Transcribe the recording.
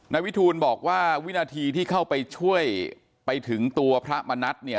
นายวิทูลบอกว่าวินาทีที่เข้าไปช่วยไปถึงตัวพระมณัฐเนี่ย